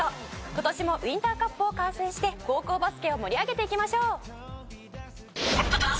今年もウインターカップを観戦して高校バスケを盛り上げていきましょう！